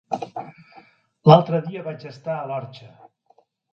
L'altre dia vaig estar a l'Orxa.